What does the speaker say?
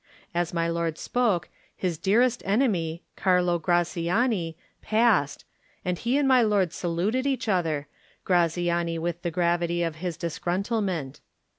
As my lord spoke his dearest enemy. Carlo Graziani passed, and he and my lord saluted each other, Graziani with the gravity of his dis gruntlement.